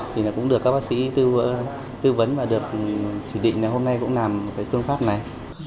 các bác sĩ tư vấn và được chỉ định hôm nay cũng làm phương pháp này